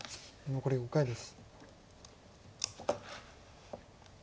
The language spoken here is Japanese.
残り５回です。